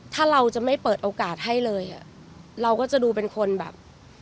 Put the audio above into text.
ถ้าเราจะไม่เปิดโอกาสให้เลยอ่ะเราก็จะดูเป็นคนแบบ